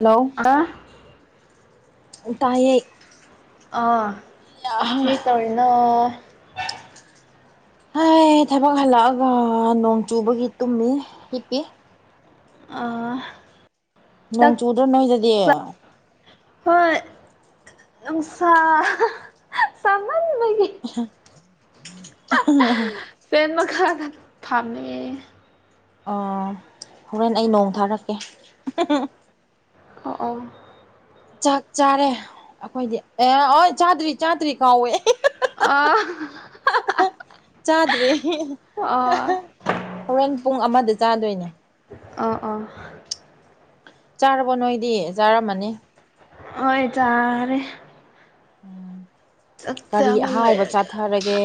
Hello ꯑꯥ ꯎꯝ ꯇꯥꯏꯌꯦ ꯑꯥ ꯀ꯭ꯔꯤ ꯇꯧꯔꯤꯅꯣ ꯍꯥꯏ ꯊꯕꯛ ꯍꯜꯂꯛꯑꯒ ꯅꯣꯡ ꯆꯨꯕꯒꯤ ꯇꯨꯝꯃꯤ ꯍꯤꯞꯄꯤ ꯑꯥ ꯅꯣꯡ ꯆꯨꯗ꯭ꯔꯥ ꯅꯣꯏꯗꯗꯤ ꯍꯣꯏ ꯅꯨꯡꯁꯥ ꯁꯥꯃꯥꯟꯕꯒꯤ [unintelligible] ꯐꯦꯟ ꯃꯈꯥꯗ ꯊꯥꯝꯃꯤꯌꯦ ꯑꯣ ꯍꯣꯔꯦꯟ ꯑꯩ ꯅꯣꯡ ꯊꯥꯔꯛꯀꯦ ꯎꯝ ꯎꯝ ꯆꯥꯛ ꯆꯥꯔꯦ ꯑꯈꯣꯏꯗꯤ ꯑꯦ ꯍꯣꯏ ꯆꯥꯗ꯭ꯔꯤ ꯆꯥꯗ꯭ꯔꯤ ꯀꯥꯎꯋꯦ ꯑ ꯆꯥꯗ꯭ꯔꯤ ꯑꯣ ꯍꯣꯔꯦꯟ ꯄꯨꯡ ꯑꯃꯗ ꯆꯥꯗꯣꯏꯅꯦ ꯑ ꯑꯥ ꯆꯥꯔꯕꯣ ꯅꯣꯏꯗꯤ ꯆꯥꯔꯝꯃꯅꯤ ꯍꯣꯏ ꯆꯥꯔꯦ ꯆꯛ ꯀꯔꯤ ꯆꯥꯕ ꯑꯍꯥꯎꯕ ꯂꯣꯏꯔꯒ ꯆꯥꯊꯔꯒꯦ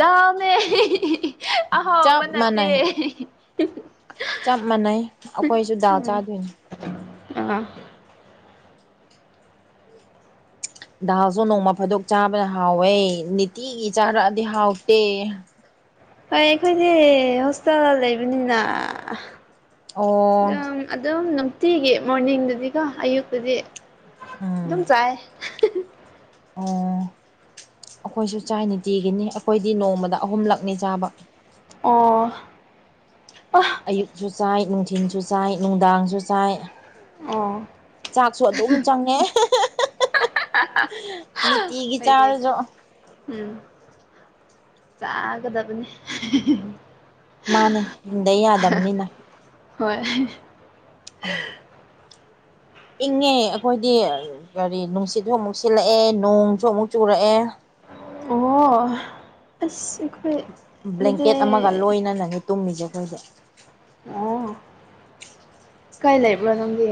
ꯗꯝꯃꯦ ꯆꯞ ꯑꯍꯣꯕ ꯅꯠꯇꯦ ꯃꯥꯟꯅꯩ ꯆꯞ ꯃꯥꯟꯅꯩ ꯑꯈꯣꯏꯁꯨ ꯗꯥꯜ ꯆꯥꯗꯣꯏꯅꯤ ꯎꯝ ꯗꯥꯜꯁꯨ ꯅꯣꯡꯃ ꯐꯥꯗꯣꯛ ꯆꯥꯕꯅ ꯍꯥꯎꯋꯦ ꯅꯤꯇꯤꯒꯤ ꯆꯥꯔꯛꯑꯗꯤ ꯍꯥꯎꯇꯦ ꯍꯣꯏ ꯑꯩꯈꯣꯏꯗꯤ ꯍꯣꯁꯇꯦꯜꯗ ꯂꯩꯕꯅꯤꯅ ꯑꯣ ꯗꯨꯝ ꯑꯗꯨꯝ ꯅꯨꯡꯇꯤꯒꯤ ꯃꯣꯔꯅꯤꯡꯗꯗꯤꯀꯣ ꯑꯌꯨꯛꯇꯗꯤ ꯑꯗꯨꯝ ꯆꯥꯏ ꯎꯝ ꯑꯈꯣꯏꯁꯨ ꯆꯥꯏ ꯅꯤꯇꯤꯒꯤꯅꯤ ꯑꯈꯣꯏꯗꯤ ꯅꯣꯡꯃꯗ ꯑꯍꯨꯝꯂꯛꯅꯤ ꯆꯥꯕ ꯑꯣ ꯑꯌꯨꯛꯁꯨ ꯆꯥꯏ ꯅꯨꯡꯊꯤꯜꯁꯨ ꯆꯥꯏ ꯅꯨꯡꯗꯥꯡꯁꯨ ꯆꯥꯏ ꯑꯣ ꯆꯥꯛꯁꯨ ꯑꯗꯨꯝ ꯆꯪꯉꯦ ꯅꯤꯇꯤꯒꯤ ꯍꯣꯏꯅꯦ ꯆꯥꯔꯁꯨ ꯎꯝ ꯆꯥꯒꯗꯕꯅꯦ ꯃꯥꯅꯦ ꯍꯤꯡꯗ ꯌꯥꯗꯝꯅꯤꯅ ꯍꯣꯏ ꯑ ꯏꯪꯉꯦ ꯑꯩꯈꯣꯏꯗꯤ ꯀꯔꯤ ꯅꯨꯡꯁꯤꯠꯁꯨ ꯑꯃꯨꯛ ꯁꯤꯜꯂꯛꯑꯦ ꯅꯣꯡꯁꯨ ꯑꯃꯨꯛ ꯆꯨꯔꯛꯑꯦ ꯑꯣ ꯑꯁ ꯑꯩꯈꯣꯏ ꯑꯗꯨꯗꯤ ꯕ꯭ꯂꯦꯡꯀꯦꯠ ꯑꯃꯒ ꯂꯣꯏꯅꯅꯅꯦ ꯇꯨꯝꯃꯤꯁꯦ ꯑꯩꯈꯣꯏꯗꯤ ꯑꯣ ꯀꯥꯏ ꯂꯩꯕ꯭ꯔꯣ ꯅꯪꯗꯤ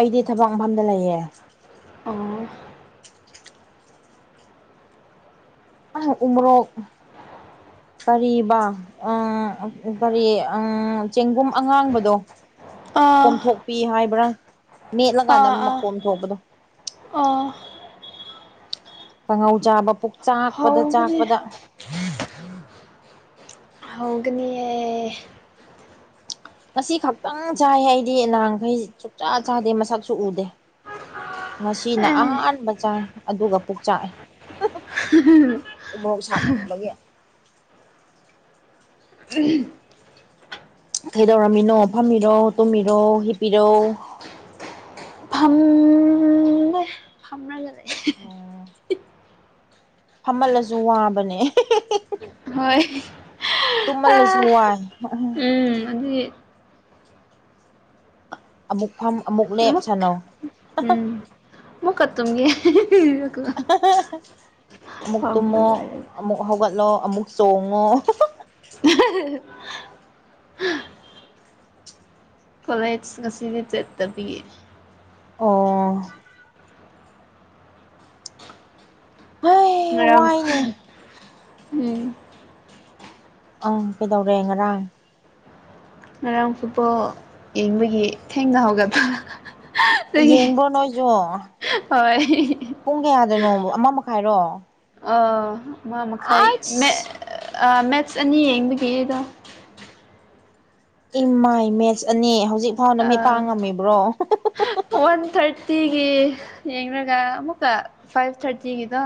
ꯑꯩꯗꯤ ꯊꯕꯛ ꯃꯐꯝꯗ ꯂꯩꯌꯦ ꯑꯣ ꯑꯍ ꯎꯣꯔꯣꯛ ꯀꯔꯤꯕ ꯎꯝ ꯀꯔꯤ ꯎꯝ ꯆꯦꯡꯒꯨꯝ ꯑꯉꯥꯡꯕꯗꯣ ꯑꯥ ꯀꯣꯝꯊꯣꯛꯄꯤ ꯍꯥꯏꯕ꯭ꯔꯥ ꯃꯦꯠꯂꯀꯥꯟꯗ ꯃꯀꯣꯝ ꯊꯣꯛꯄꯗꯣ ꯑꯣ ꯀꯥꯡꯉꯧ ꯆꯥꯕ ꯄꯨꯛ ꯆꯥꯛꯄꯗ ꯍꯧꯒꯅꯤ ꯆꯥꯛꯄꯗ ꯍꯧꯒꯅꯤꯌꯦ ꯉꯁꯤ ꯈꯛꯇꯪ ꯆꯥꯏ ꯑꯩꯗꯤ ꯅꯍꯥꯡꯈꯩ ꯁꯨꯛꯆꯥ ꯆꯥꯗꯦ ꯃꯁꯛꯁꯨ ꯎꯗꯦ ꯉꯁꯤꯅ ꯑꯦ ꯑꯍꯥꯟꯕ ꯆꯥꯏ ꯑꯗꯨꯒ ꯄꯨꯛꯆꯥꯛꯑꯦ [unintelligible] ꯎꯃꯣꯔꯣꯛ ꯁꯥꯃꯟꯕꯒꯤ ꯫ [unintelligible] ꯀꯩꯗꯧꯔꯝꯃꯤꯅꯣ ꯐꯝꯃꯤꯔꯣ ꯇꯨꯝꯃꯤꯔꯣ ꯍꯤꯞꯄꯤꯔꯣ꯫ ꯐꯝꯃꯦ꯫ ꯐꯝꯔꯒ ꯂꯩ꯫ ꯆꯣꯡ꯫ ꯐꯝꯃꯜꯂꯁꯨ ꯋꯥꯕꯅꯦ꯫ ꯍꯣꯏ꯫ ꯇꯨꯝꯃꯜꯂꯁꯨ ꯑꯥ ꯋꯥꯏ ꯫ ꯎꯝ ꯑꯗꯨꯒꯤ ꯑꯃꯨꯛ ꯐꯝ ꯑꯃꯨꯛ ꯂꯦꯞ ꯁꯥꯅꯧ꯫ ꯎꯝ ꯑꯃꯨꯛꯀ ꯇꯨꯝꯒꯦ꯫ ꯑꯃꯨꯛ ꯐꯝꯕ ꯇꯨꯝꯃꯣ ꯂꯣꯏꯔꯒ ꯑꯃꯨꯛ ꯍꯧꯒꯠꯂꯣ ꯑꯃꯨꯛ ꯆꯣꯡꯉꯣ꯫ [unintelligible] ꯀꯣꯂꯦꯖ ꯉꯁꯤꯗꯤ ꯆꯠꯇꯕꯤ꯫ ꯑꯣ꯫ ꯍꯩ ꯉꯔꯥꯡ ꯋꯥꯏꯅꯦ ꯎꯝ꯫ ꯑꯥ ꯀꯩꯗꯧꯔꯦ ꯉꯔꯥꯡ꯫ ꯉꯔꯥꯡ ꯐꯨꯠꯕꯣꯜ ꯌꯦꯡꯕꯒꯤ ꯊꯦꯡꯅꯍꯧꯒꯠꯄ꯫ ꯑꯗꯨꯒꯤ ꯌꯦꯡꯕ꯭ꯔꯣ ꯅꯣꯏꯁꯨ ꯍꯣꯏ꯫ ꯄꯨꯡ ꯀꯌꯥꯗꯅꯣ ꯑꯃ ꯃꯈꯥꯏꯔꯣ꯫ ꯑꯥ ꯑꯃ ꯃꯈꯥꯏ ꯃꯦ ꯑꯥꯏꯁ ꯑꯥ ꯃꯦꯠꯁ ꯑꯅꯤ ꯌꯦꯡꯕꯒꯤꯅꯤꯗ꯫ ꯏꯃꯥꯏ ꯃꯦꯠꯆ ꯑꯅꯤ ꯍꯧꯖꯤꯛ ꯐꯥꯎ ꯑ ꯅꯃꯤꯠ ꯄꯥꯡ ꯉꯝꯃꯤꯕ꯭ꯔꯣ꯫ ꯋꯥꯟ ꯊꯥꯔꯇꯤꯒꯤ ꯌꯦꯡꯔꯒ ꯑꯃꯨꯛꯀ ꯐꯥꯏꯚ ꯊꯥꯔꯇꯤꯒꯤꯗꯣ꯫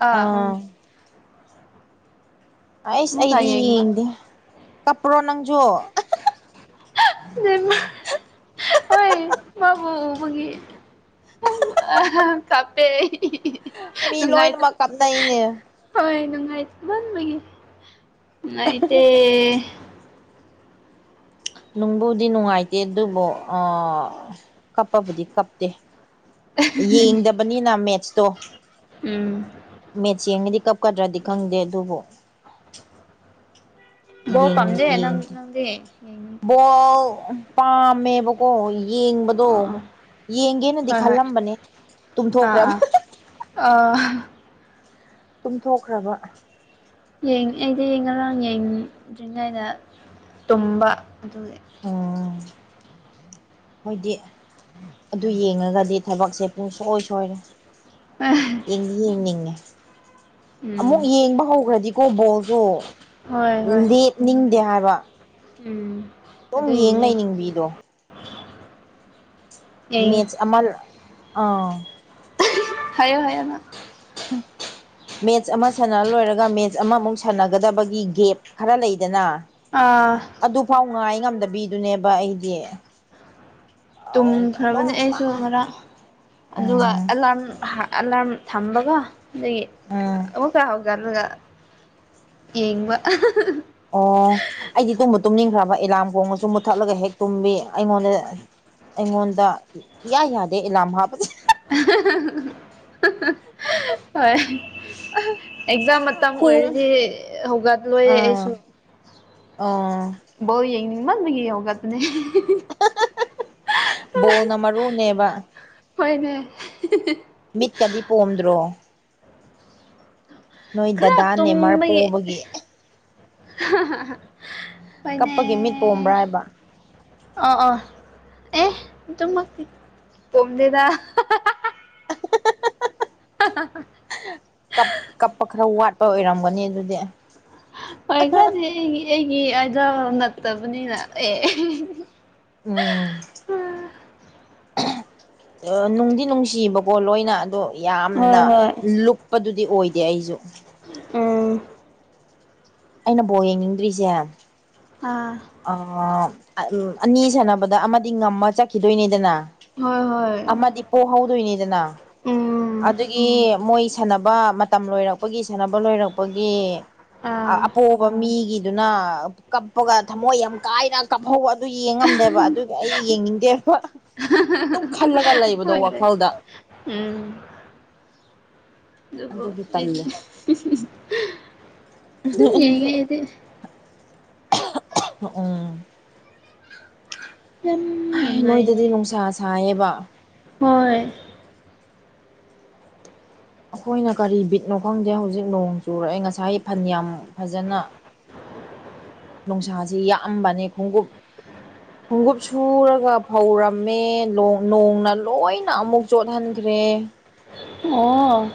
ꯑꯥ ꯎꯝ꯫ ꯑꯩꯁ ꯑꯃꯨꯛꯀ ꯑꯩꯗꯤ ꯌꯦꯡꯕ ꯌꯦꯡꯗꯦ ꯀꯞꯄ꯭ꯔꯣ ꯅꯪꯖꯨ꯫ ꯅꯦꯃꯥ__ [unintelligible] ꯍꯣꯏ ꯃꯥꯕꯨ ꯎꯕꯒꯤ꯫ ꯀꯥꯞꯄꯦ ꯑꯩ꯫ ꯃꯤ ꯂꯣꯏꯅꯃꯛ ꯀꯞꯅꯩꯅꯦ꯫ ꯍꯣꯏ ꯅꯨꯡꯉꯥꯏꯃꯟꯕꯒꯤ ꯅꯩꯇꯦ꯫ ꯅꯨꯡꯕꯨꯗꯤ ꯅꯨꯡꯉꯥꯏꯇꯦ ꯑꯗꯨꯕꯨ ꯑꯥ ꯀꯞꯄꯕꯨꯗꯤ ꯀꯞꯇꯦ ꯌꯦꯡꯗꯕꯅꯤꯅ ꯃꯦꯠꯁꯇꯣ꯫ ꯎꯝ꯫ ꯃꯦꯠꯁ ꯌꯦꯡꯉꯗꯤ ꯀꯞꯀꯗ꯭ꯔꯗꯤ ꯈꯪꯗꯦ ꯑꯗꯨꯕꯨ ꯕꯣ ꯌꯦꯡ ꯄꯝꯗꯦ ꯅꯪ ꯌꯦꯡꯗꯦ ꯅꯪꯗꯤ ꯌꯦꯡ꯫ ꯕꯣꯜ ꯄꯥꯝꯃꯦꯕ ꯀꯣ ꯌꯦꯡꯕꯗꯣ ꯑꯥ ꯑꯥ ꯌꯦꯡꯒꯦꯅꯗꯤ ꯍꯣꯏ ꯍꯣꯏ ꯈꯜꯂꯝꯕꯅꯦ ꯑꯥ ꯇꯨꯝꯊꯣꯛꯈ꯭ꯔꯕ꯫ ꯑꯥ ꯑꯥ꯫ ꯇꯨꯝꯊꯣꯛꯈ꯭ꯔꯕ꯫ ꯌꯦꯡ ꯑꯩꯗꯤ ꯉꯔꯥꯡ ꯌꯦꯡꯗ꯭ꯔꯤꯉꯩꯗ ꯇꯨꯝꯕ ꯑꯗꯨꯒꯤ꯫ ꯑꯣ ꯑꯈꯣꯏꯗꯤ ꯑꯗꯨ ꯌꯦꯡꯉꯒꯗꯤ ꯊꯕꯛꯁꯦ ꯄꯨꯡꯁꯣꯏ ꯁꯣꯏꯔꯦ ꯌꯦꯡꯗꯤ ꯌꯦꯡꯅꯤꯡꯉꯦ ꯑꯃꯨꯛ ꯎꯝ ꯌꯦꯡꯕ ꯍꯧꯈ꯭ꯔꯗꯤꯀꯣ ꯕꯣꯜꯁꯨ ꯍꯣꯏ ꯍꯣꯏ ꯂꯦꯞꯅꯤꯡꯗꯦ ꯍꯥꯏꯕ ꯎꯝ ꯑꯗꯨꯝ ꯌꯦꯡ ꯑꯗꯨꯒꯤꯅꯦ ꯂꯩꯅꯤꯡꯕꯤꯗꯣ ꯌꯦꯡ ꯃꯦꯆ ꯑꯃꯜ ꯑꯥꯎ ꯍꯥꯏꯌꯣ ꯍꯥꯏꯌꯣ ꯅꯪ [unintelligible] ꯃꯦꯠꯁ ꯑꯃ ꯁꯥꯟꯅꯔ ꯂꯣꯏꯔꯒ ꯃꯦꯠꯁ ꯑꯃꯃꯨꯛ ꯁꯥꯟꯅꯒꯗꯕꯒꯤ ꯒꯦꯞ ꯈꯔ ꯂꯩꯗꯅ ꯑꯥ ꯑꯗꯨꯐꯥꯎ ꯉꯥꯏ ꯉꯝꯗꯕꯤꯗꯨꯅꯦꯕ ꯑꯩꯗꯤ ꯑꯧ ꯇꯨꯝꯈ꯭ꯔꯕꯅꯦ ꯑꯗꯨꯝ ꯎꯝ ꯑꯩꯁꯨ ꯉꯔꯥꯡ ꯑꯗꯨꯒ ꯑꯂꯥꯔꯝ ꯑꯦꯂꯥꯔ ꯊꯝꯕꯀꯣ ꯑꯗꯨꯒꯤ ꯎꯝ ꯑꯃꯨꯛꯀ ꯍꯧꯒꯠꯂꯒ ꯌꯦꯡꯕ ꯑꯍꯥꯍ ꯑꯣ ꯑꯩꯗꯤ ꯇꯨꯝꯕꯨ ꯇꯨꯝꯅꯤꯡꯈ꯭ꯔꯕ ꯑꯦꯂꯥꯝ ꯈꯣꯡꯉꯁꯨ ꯃꯨꯠꯊꯠꯂꯒ ꯍꯦꯛ ꯇꯨꯝꯕꯤ ꯑꯩꯉꯣꯟꯗ ꯑꯩꯉꯣꯟꯗ ꯏꯌꯥ ꯌꯥꯗꯦ ꯑꯦꯂꯥꯝ ꯍꯥꯞꯄꯁꯤ ꯍꯣꯏ ꯑꯦꯛꯖꯥꯝ ꯃꯇꯝ ꯈꯣꯡ ꯑꯣꯏꯔꯗꯤ ꯍꯧꯒꯠꯂꯣꯏꯑꯦ ꯑꯩꯁꯨ ꯑꯣ ꯕꯣꯜ ꯌꯦꯡꯅꯤꯡ ꯃꯟꯕꯒꯤ ꯍꯧꯒꯠꯄꯅꯦ ꯕꯣꯜꯅ ꯃꯔꯨꯅꯦꯕ ꯍꯣꯏꯅꯦ ꯃꯤꯠꯀꯗꯤ ꯄꯣꯝꯗ꯭ꯔꯣ ꯅꯣꯏ ꯗꯥꯗꯥ ꯅꯦꯃꯔ ꯄꯣꯕꯒꯤ ꯀꯞꯄꯒꯤ ꯃꯤꯠ ꯄꯣꯝꯕ꯭ꯔꯥ ꯍꯣꯢꯅꯦ ꯍꯥꯏꯕ ꯑ ꯑ ꯑꯦ ꯑꯗꯨ ꯃꯛꯇꯤ ꯄꯣꯝꯗꯦꯗ [unintelligible] ꯀꯞ ꯀꯞꯄ ꯈꯔ ꯋꯥꯠꯄ ꯑꯣꯏꯔꯝꯒꯅꯤ ꯑꯗꯨꯗꯤ ꯍꯣꯏ ꯈꯔꯗꯤ ꯑꯩꯒꯤ ꯑꯩꯒꯤ ꯑꯗꯣ ꯅꯠꯇꯕꯅꯤꯅ ꯑꯦ ꯎꯝ ꯅꯨꯡꯗꯤ ꯅꯨꯡꯁꯤꯕꯀꯣ ꯂꯣꯏꯅ ꯑꯗꯣ ꯍꯣꯏ ꯌꯥꯝꯅ ꯍꯣꯏ ꯂꯨꯞ ꯑꯗꯨꯗꯤ ꯑꯣꯏꯗꯦ ꯑꯩꯁꯨ ꯎꯝ ꯑꯩꯅ ꯕꯣꯜ ꯌꯦꯡꯅꯤꯡꯗ꯭ꯔꯤꯁꯦ ꯑꯥ ꯑ ꯅꯤ ꯁꯥꯟꯅꯕꯗ ꯑꯃꯗꯤ ꯉꯝꯃ ꯆꯠꯈꯤꯗꯣꯏꯅꯦꯗꯅ ꯍꯣꯏ ꯍꯣꯏ ꯄꯣ ꯍꯧꯗꯣꯏꯅꯤꯗꯅ ꯎꯝ ꯑꯗꯨꯒꯤ ꯃꯣꯏ ꯁꯥꯟꯅꯕ ꯃꯇꯝ ꯂꯣꯏꯔꯛꯄꯒꯤ ꯁꯥꯟꯅꯕ ꯂꯣꯏꯔꯛꯄꯒꯤ ꯑꯥ ꯑꯄꯣꯕ ꯃꯤꯒꯤꯗꯨꯅ ꯀꯞꯄꯒ ꯊꯃꯣꯏ ꯌꯥꯝ ꯀꯥꯏꯅ ꯀꯥꯞꯍꯧꯕ ꯑꯗꯨ ꯌꯦꯡꯉꯝꯗꯦꯕ ꯑꯗꯨꯒꯤ ꯑꯩ ꯌꯦꯡꯅꯤꯡꯗꯦꯕ ꯑꯗꯨꯝ ꯈꯜꯂꯒ ꯂꯩꯕꯗꯣ ꯍꯣꯏ ꯍꯣꯏ ꯋꯥꯈꯜꯗ ꯎꯝ ꯑꯗꯨꯕꯨ ꯑꯗꯨꯒꯤ ꯇꯜꯂꯦ ꯑꯩꯗꯤ ꯑꯗꯨꯝ ꯌꯦꯡꯉꯦ ꯑꯩꯗꯤ ꯎꯝ ꯌꯥꯝ ꯍꯥꯢ ꯅꯨꯡꯉꯥꯏꯌꯦ ꯅꯣꯏꯗꯗꯤ ꯅꯨꯡꯁꯥ ꯁꯥꯌꯦꯕ ꯍꯣꯏ.... ꯑꯩꯈꯣꯏꯅ ꯀꯔꯤ ꯕꯤꯠꯅꯣ ꯈꯪꯗꯦ ꯍꯧꯖꯤꯛ ꯅꯣꯡ ꯆꯨꯔꯛꯑꯦ ꯉꯁꯥꯏ ꯐꯟꯅꯌꯥꯝ ꯐꯖꯅ [unintelligible] ꯅꯨꯡꯁꯥꯁꯤ ꯌꯥꯑꯝꯕꯅꯤ ꯈꯣꯡꯎꯞ ꯈꯣꯡꯎꯞ ꯁꯨꯔꯒ ꯐꯧꯔꯝꯃꯦ ꯅꯣꯡ ꯅꯣꯡꯅ ꯂꯣꯏꯅ ꯑꯃꯨꯛ ꯆꯣꯠꯍꯟꯈ꯭ꯔꯦ ꯑꯣ.....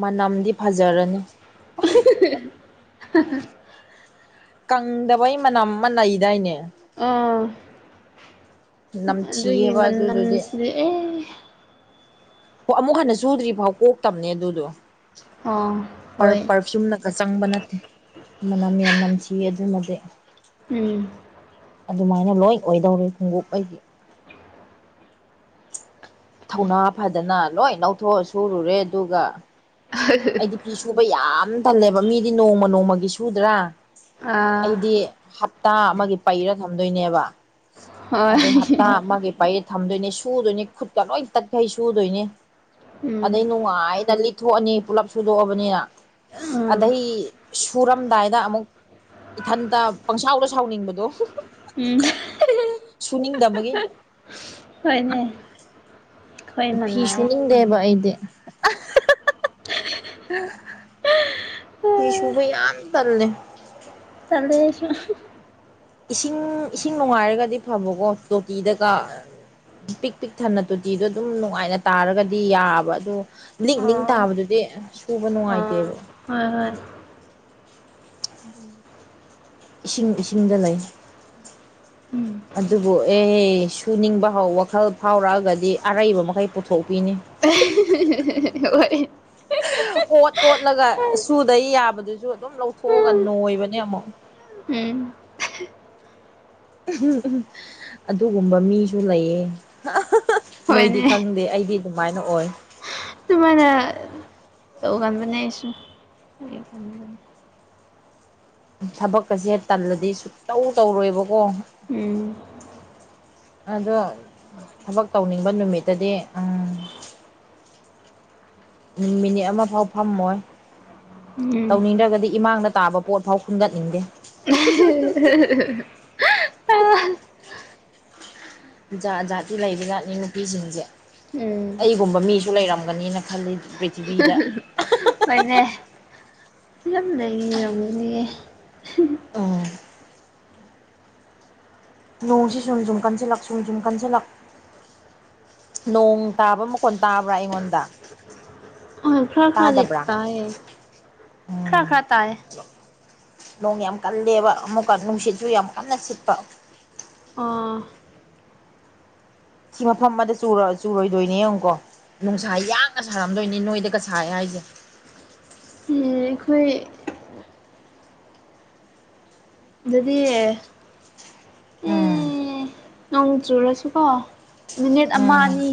ꯃꯅꯝꯗꯤ ꯐꯖꯔꯅꯤ ꯍꯤꯍꯤ....... ꯍꯥꯍꯥ ꯀꯪꯗꯕꯩ ꯃꯅꯝ ꯑꯃ ꯂꯩꯗꯥꯏꯅꯦ ꯑꯥ..... ꯑꯗꯨꯒꯤ ꯅꯝꯊꯤꯑꯕ ꯑꯗꯨꯗꯨꯗꯤ ꯃꯅꯝꯁꯤꯗꯤ ꯑꯦ ꯍꯣ ꯑꯃꯨꯛ ꯍꯟꯅ ꯁꯨꯗ꯭ꯔꯤꯐꯥꯎ ꯀꯣꯛꯇꯕꯅꯦ ꯑꯗꯨꯗꯣ ꯑꯥ..... ꯄꯔ ꯍꯣꯏ ꯄꯔꯐ꯭ꯌꯨꯝꯅꯒ ꯆꯪꯕ ꯅꯠꯇꯦ ꯃꯅꯝ ꯌꯥꯝ ꯅꯝꯊꯤ ꯑꯗꯨꯃꯗꯤ ꯎꯝ ꯑꯗꯨꯃꯥꯏꯅ ꯂꯣꯏ ꯑꯣꯏꯗꯧꯔꯦ ꯈꯣꯡꯎꯞ ꯑꯩꯒꯤ ꯊꯧꯅꯥ ꯐꯗꯅ ꯂꯣꯏ ꯂꯧꯊꯣꯛꯑ ꯁꯨꯔꯨꯔꯦ ꯑꯗꯨꯒ ꯑꯩꯗꯤ ꯐꯤ ꯁꯨꯕ ꯌꯥꯝ ꯇꯜꯂꯦꯕ ꯃꯤꯗꯤ ꯅꯣꯡꯃ ꯅꯣꯡꯃꯒꯤ ꯁꯨꯗ꯭ꯔꯥ ꯑꯥ ꯑꯩꯗꯤ ꯍꯞꯇꯥ ꯑꯃꯒꯤ ꯄꯩꯔ ꯊꯝꯗꯣꯏꯅꯦꯕ ꯍꯣꯏ ꯑꯗꯩ ꯍꯞꯇꯥ ꯑꯃꯒꯤ ꯄꯥꯏꯔꯦ ꯊꯝꯗꯣꯏꯅꯤ ꯁꯨꯗꯨꯏꯅꯤ ꯈꯨꯠꯀ ꯂꯣꯏ ꯇꯠꯈꯩ ꯁꯨꯗꯨꯏꯅꯤ ꯎꯝ ꯑꯗꯩ ꯅꯨꯡꯉꯥꯏꯅ ꯂꯤꯠꯊꯣꯛꯑꯅꯤ ꯄꯨꯜꯂꯞ ꯁꯨꯗꯣꯛꯑꯕꯅꯤꯅ ꯑꯥ ꯑꯗꯩ ꯁꯨꯔꯝꯗꯥꯏꯗ ꯑꯃꯨꯛ ꯏꯊꯟꯇ ꯄꯪꯁꯥꯎꯗ ꯁꯥꯎꯅꯤꯡꯕꯗꯣ ꯎꯝ ꯁꯨꯅꯤꯡ ꯗꯕꯒꯤ ꯍꯣꯏꯅꯦ ꯑꯥ ꯑꯩꯈꯣꯏ ꯐꯤ ꯃꯥꯟꯅꯩ ꯁꯨꯅꯤꯡꯗꯦꯕ ꯑꯩꯗꯤ ꯑꯥꯍ ꯐꯤꯁꯨꯨꯕ ꯌꯥꯝ ꯇꯜꯂꯦ ꯇꯜꯂꯦ ꯑꯩꯁꯨ ꯏꯁꯤꯡ ꯏꯁꯤꯡ ꯅꯨꯡꯉꯥꯏꯔꯒꯗꯤ ꯐꯕꯀꯣ ꯇꯣꯇꯤꯗꯒ ꯄꯤꯛ ꯄꯤꯛ ꯊꯟꯅ ꯇꯣꯇꯤꯗꯣ ꯑꯗꯨꯝ ꯅꯨꯡꯉꯥꯏꯅ ꯇꯥꯔꯒꯗꯤ ꯌꯥꯕ ꯑꯗꯨ ꯅꯤꯛ ꯅꯤꯡ ꯑꯥ ꯇꯥꯕꯗꯨꯗꯤ ꯁꯨꯕ ꯑꯥ ꯅꯨꯡꯉꯥꯏꯇꯦꯕ ꯍꯣꯏ ꯍꯣꯏ [unintelligible] ꯏꯁꯤꯡ ꯏꯁꯤꯡꯗ ꯂꯩ ꯎꯝ ꯑꯗꯨꯕꯨ ꯑꯦ ꯁꯨꯅꯤꯡꯕ ꯍꯧ ꯋꯥꯈꯜ ꯐꯥꯎꯔꯛꯑꯒꯗꯤ ꯑꯔꯩꯕ ꯃꯈꯩ ꯄꯨꯊꯣꯛꯄꯤꯅꯤ ꯍꯣꯏ ꯑꯣꯠ ꯑꯣꯠꯂꯒ ꯁꯨꯗꯩ ꯌꯥꯕꯗꯨꯁꯨ ꯑꯗꯨꯝ ꯂꯧꯊꯣꯛꯑꯒ ꯅꯣꯏꯕꯅꯦ ꯑꯃꯨꯛ ꯎꯝ ꯑꯗꯨꯒꯨꯝꯕ ꯃꯤꯁꯨ ꯂꯩꯌꯦ ꯅꯣꯏꯗꯤ ꯍꯣꯏꯅꯦ ꯈꯪꯗꯦ ꯑꯩꯗꯤ ꯑꯗꯨꯃꯥꯏꯅ ꯑꯣꯏ ꯇꯨꯃꯥꯏꯅ ꯇꯧꯒꯝꯕꯅꯦ ꯑꯩꯁꯨ ꯊꯕꯛꯀꯁꯦ ꯇꯜꯂꯗꯤ ꯁꯨꯛꯇꯧ ꯇꯧꯔꯣꯏꯕꯀꯣ ꯎꯝ ꯑꯗꯣ ꯊꯕꯛ ꯇꯧꯅꯤꯡꯕ ꯅꯨꯃꯤꯠꯇꯗꯤ ꯑꯝ ꯎꯝ ꯃꯤꯅꯤꯠ ꯑꯃ ꯐꯥꯎ ꯐꯝꯃꯣꯏ ꯎꯝ ꯇꯧꯅꯤꯡꯗ꯭ꯔꯒꯗꯤ ꯏꯃꯥꯡꯗ ꯇꯥꯕ ꯄꯣꯠ ꯐꯧ ꯈꯨꯟꯒꯠꯅꯤꯡꯗꯦ ꯑ [inaudible] ꯖꯥꯠ ꯖꯥꯠꯇꯤ ꯂꯩꯕ ꯖꯥꯠꯅꯤ ꯅꯨꯄꯤꯁꯤꯡꯁꯦ꯫ ꯎꯝ ꯑꯩꯒꯨꯝꯕ ꯃꯤꯁꯨ ꯂꯩꯔꯝꯒꯅꯤꯅ ꯈꯜꯂꯤ ꯄ꯭ꯔꯤꯊꯤꯕꯤꯗ꯫ ꯍꯣꯏꯅꯦ ꯌꯥꯝ ꯂꯩꯏꯔꯝꯃꯤꯅꯦ [unintelligible] ꯑꯣ ꯅꯣꯡꯁꯤꯁꯨꯝ ꯁꯨꯝ ꯀꯟꯁꯤꯂꯛ ꯁꯨꯝ ꯁꯨꯝ ꯀꯟꯁꯤꯂꯛ ꯅꯣꯡ ꯇꯥꯕ ꯃꯈꯣꯟ ꯇꯥꯕ꯭ꯔꯥ ꯑꯩꯉꯣꯟꯗꯥ꯫ ꯈ꯭ꯔ ꯈ꯭ꯔꯗꯤ ꯇꯥꯏꯌꯦ ꯈꯔ ꯎꯝ ꯈꯥ ꯇꯥꯏꯌꯦ꯫ ꯅꯣꯡ ꯌꯥꯝ ꯀꯜꯂꯦꯕ ꯑꯃꯨꯛꯀ ꯅꯨꯡꯁꯤꯠꯁꯨ ꯌꯥꯝ ꯀꯟꯅ ꯁꯤꯠꯄ꯫ ꯑꯥ ꯁꯤ ꯃꯐꯝ ꯑꯃꯗ ꯆꯨꯔ ꯆꯨꯔꯣꯏꯗꯣꯏꯅꯦ ꯌꯦꯡꯉꯨꯀꯣ꯫ ꯅꯨꯡꯁꯥ ꯌꯥꯡꯅ ꯁꯥꯔꯝꯗꯣꯏꯅꯤ ꯅꯣꯏꯗꯒ ꯁꯥꯏ ꯍꯥꯏꯁꯦ꯫ ꯑꯩꯈꯣꯏ ꯑꯗꯨꯗꯤ ꯎꯝ ꯅꯣꯡ ꯆꯨꯔꯁꯨꯀꯣ ꯃꯤꯅꯤꯠ ꯑꯃ ꯎꯝ ꯑꯅꯤ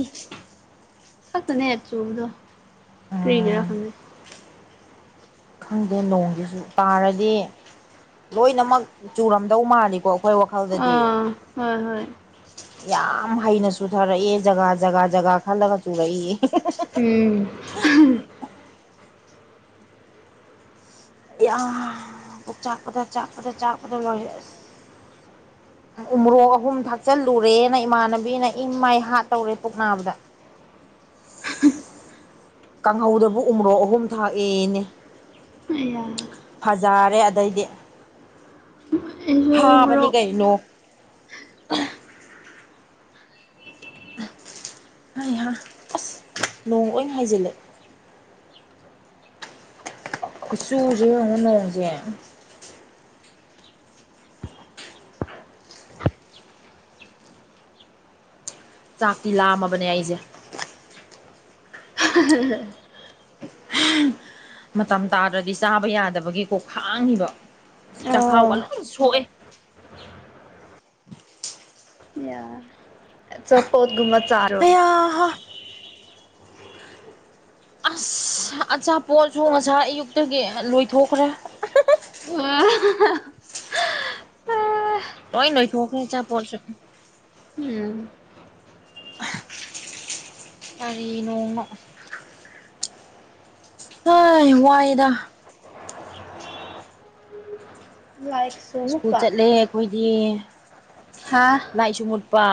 ꯈꯛꯇꯅꯦ ꯆꯨꯕꯗꯣ ꯎꯝ ꯀ꯭ꯔꯤꯒꯦꯔꯥ ꯈꯪꯗꯦ ꯈꯪꯗꯦ ꯅꯣꯡꯁꯤꯁꯨ ꯇꯥꯔꯗꯤ ꯂꯣꯏꯅꯃꯛ ꯆꯨꯔꯝꯗꯧ ꯃꯥꯜꯂꯤꯀꯣ ꯑꯈꯣꯏ ꯋꯥꯈꯜꯗꯗꯤ꯫ ꯑꯥ ꯍꯣꯏ ꯍꯣꯏ ꯌꯥꯝ ꯍꯩꯅ ꯆꯨꯊꯔꯛꯏꯌꯦ ꯖꯒꯥ ꯖꯒꯥ ꯖꯒꯥ ꯈꯜꯂꯒ ꯆꯨꯔꯛꯏꯌꯦ [unintelligible] ꯎꯝ [unintelligible] [unintelligible] ꯄꯨꯛ ꯆꯥꯛꯄꯗ ꯆꯥꯛꯄꯗ ꯆꯥꯛꯄꯗ ꯂꯣꯏꯔꯦ ꯑꯁ [inaudible] ꯎꯣꯔꯣꯛ ꯑꯍꯨꯝ ꯊꯥꯛꯆꯜꯂꯨꯔꯦꯅ ꯏꯃꯥꯟꯅꯕꯤꯅ ꯏꯟ ꯃꯥꯏ ꯍꯥꯠ ꯇꯧꯔꯦ ꯄꯨꯛ ꯅꯥꯕꯗ꯫ ꯀꯥꯡꯍꯧꯗꯕꯨ ꯎ ꯃꯣꯔꯣꯛ ꯑꯍꯨꯝ ꯊꯥꯛꯑꯦꯅꯦ ꯑꯩꯌꯥ ꯐꯖꯥꯔꯦ ꯑꯗꯩꯗꯤ꯫ ꯑꯩꯁꯨ ꯍꯥꯕꯅꯤ ꯃꯣꯔꯣꯛ ꯀꯩꯅꯣ ꯍꯩꯍꯥ ꯑꯁ ꯅꯣꯡ ꯑꯣꯏꯟ ꯍꯥꯏꯖꯤꯜꯂꯛꯑꯦ ꯈꯨꯠꯆꯨꯁꯦ ꯌꯦꯡꯉꯨ ꯅꯣꯡꯖꯦ꯫ ꯆꯥꯛꯇꯤ ꯂꯥꯝꯃꯕꯅꯦ ꯑꯩꯁꯦ꯫ [unintelligible] ꯃꯇꯝ ꯇꯥꯗ꯭ꯔꯗꯤ ꯆꯥꯕ ꯌꯥꯗꯕꯒꯤꯀꯣ ꯈꯥꯡꯉꯤꯕ ꯑꯣ ꯆꯈꯥꯎꯒ ꯂꯣꯏ ꯁꯣꯛꯑꯦ꯫ ꯌꯥ ꯑꯆꯄꯣꯠ ꯒ ꯨꯝꯃ ꯆꯥꯔꯣ ꯑꯌꯥ ꯍꯥ ꯑꯁ ꯑꯆꯥꯄꯣꯠꯁꯨ ꯉꯁꯥꯏ ꯑꯌꯨꯛꯇꯒꯤ ꯂꯣꯏꯊꯣꯛꯈ꯭ꯔꯦ꯫ ꯎꯝ [unintelligible] [unintelligible] ꯂꯣꯏ ꯅꯣꯏ ꯊꯣꯛꯈ꯭ꯔꯦ ꯆꯥꯄꯣꯠꯁꯨ꯫ ꯎꯝ ꯀꯔꯤ ꯅꯣꯡꯅꯣ ꯍꯥꯏ ꯋꯥꯏꯗ꯫ ꯂꯥꯏꯛꯁ ꯁ꯭ꯀꯨꯜ ꯆꯠꯂꯦ ꯑꯩꯈꯣꯏꯗꯤ꯫ ꯍꯥꯥ ꯂꯥꯏꯠꯁꯨ ꯃꯨꯠꯄ